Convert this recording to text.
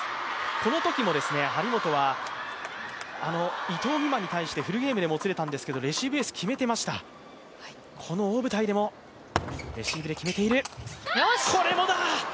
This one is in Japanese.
このときも張本は伊藤美誠に対してフルゲームまでもつれたんですけれどもレシーブエース決めてました、この大舞台でもレシーブで決めている。